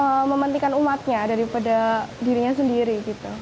rasulullah itu mementingkan umatnya daripada dirinya sendiri